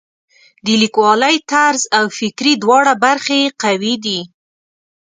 د لیکوالۍ طرز او فکري دواړه برخې یې قوي دي.